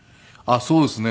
あっそうですね。